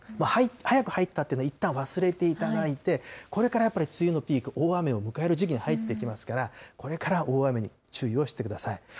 早く入ったというのはいったん忘れていただいて、これからやっぱり梅雨のピーク、大雨を迎える時期に入ってきますから、これから大雨に注意をしてください。